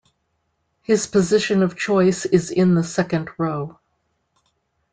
His position of choice is in the second row.